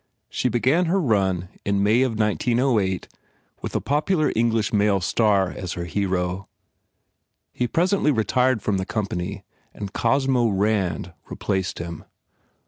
She began her run in May of 1908 with a popular English male star as her hero. He presently re tired from the company and Cosmo Rand replaced him.